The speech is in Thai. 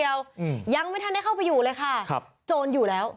ยังไม่ทันได้เข้าไปอยู่เลยค่ะจโนอยู่แล้ว